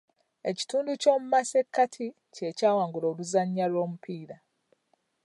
Ekitundu ky'omu masekati kye kyawangula oluzannya lw'omupiira.